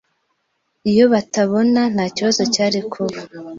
Iyo batabona, ntakibazo cyari kuba.